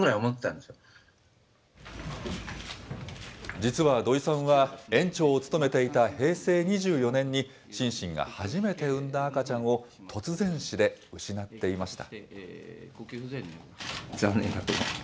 実は土居さんは、園長を務めていた平成２４年に、シンシンが初めて産んだ赤ちゃんを突然死で失っていました。